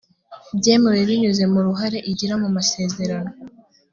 byemewe binyuze mu ruhare igira mu masezerano